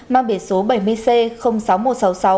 mang biển số bảy mươi c sáu nghìn một trăm sáu mươi sáu